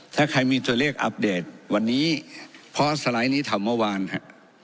ถ้าใครมีตัวเลขอัปเดตวันนี้เพราะสไลด์นี้ทำเมื่อวานฮะ